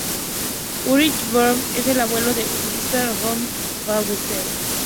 Ulrich von Hassell es el abuelo del historiador Agostino von Hassell.